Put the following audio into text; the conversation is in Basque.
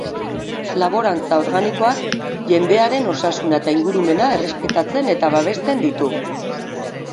Laborantza organikoak jendearen osasuna eta ingurumena errespetatzen eta babesten ditu.